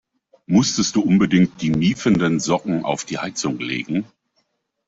Musstest du unbedingt die miefenden Socken auf die Heizung legen?